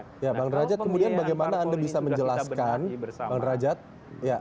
kalau pembiayaan parpol ini sudah kita benahi bersama